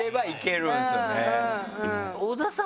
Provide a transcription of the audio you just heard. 小田さん